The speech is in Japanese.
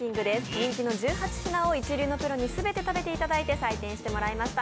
人気の１８品を一流のプロに全て食べていただいて採点してもらいました。